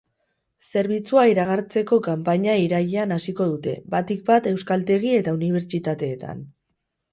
Zerbitzua iragartzeko kanpaina irailean hasiko dute, batik bat euskaltegi eta unibertsitateetan.